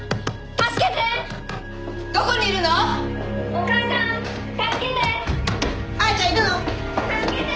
助けて！